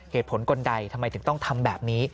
เหตุผลคนใดทำไมถึงต้องทำแบบนี้